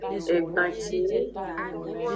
Egbancinyi.